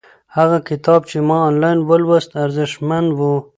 هغه کتاب چې ما آنلاین ولوست ارزښتمن و.